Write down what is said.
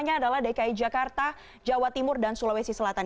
yang adalah dki jakarta jawa timur dan sulawesi selatan